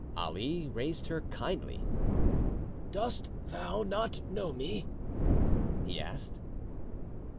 Ali raised her kindly. "Dost thou not know me?" he asked.